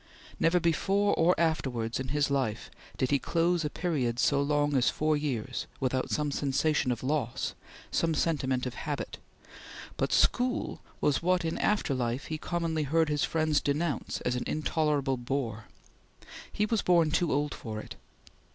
Never before or afterwards in his life did he close a period so long as four years without some sensation of loss some sentiment of habit but school was what in after life he commonly heard his friends denounce as an intolerable bore. He was born too old for it.